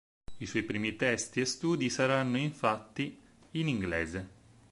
I suoi primi testi e studi saranno infatti in inglese.